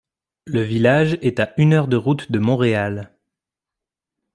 Le village est à une heure de route de Montréal.